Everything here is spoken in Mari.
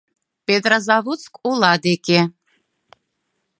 Петрозаводск ола деке.